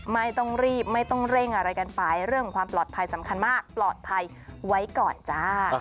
ไม่ต้องรีบไม่ต้องเร่งอะไรกันไปเรื่องของความปลอดภัยสำคัญมากปลอดภัยไว้ก่อนจ้า